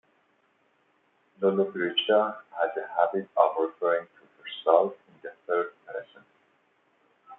Lollobrigida has a habit of referring to herself in the third person.